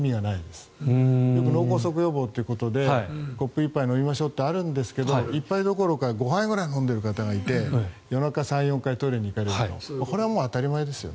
よく脳梗塞予防でコップ１杯飲みましょうというんですが１杯どころか５杯ぐらい飲んでいる方がいて夜中に３４回トイレに行かれる。